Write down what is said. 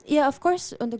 ya tentu saja untuk